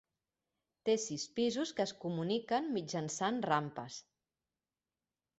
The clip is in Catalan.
Té sis pisos que es comuniquen mitjançant rampes.